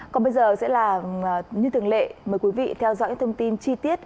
còn bây giờ sẽ là như thường lệ mời quý vị theo dõi những thông tin chi tiết